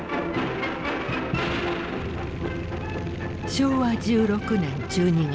昭和１６年１２月。